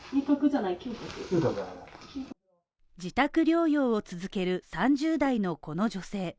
自宅療養を続ける３０代のこの女性